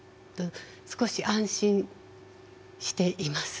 少し安心しています。